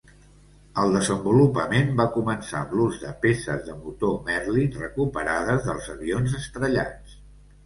El desenvolupament va començar amb l'ús de peces de motor Merlin recuperades dels avions estrellats.